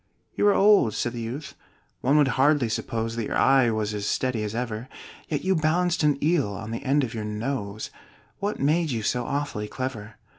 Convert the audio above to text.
"You are old," said the youth; "one would hardly suppose That your eye was as steady as ever: Yet you balanced an eel on the end of your nose What made you so awfully clever?"